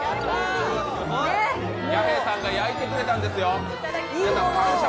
弥平さんが焼いてくれたんですよ。